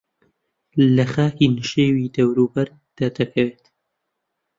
لە خاکی نشێوی دەوروبەر دەردەکەوێت